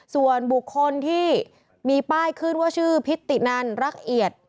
ส่วนบุคคลที่มีป้ายขึ้นว่าชื่อพิตตินันรักเอียด